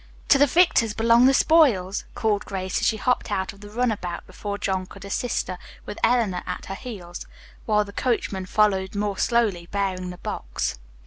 "'To the victors belong the spoils,'" called Grace as she hopped out of the run about before John could assist her, with Eleanor at her heels, while the coachman followed more slowly, bearing the box.